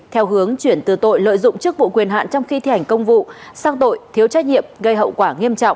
theo hướng chuyển từ tội lợi dụng chức vụ quyền hạn trong khi thi hành công vụ sang tội thiếu trách nhiệm gây hậu quả nghiêm trọng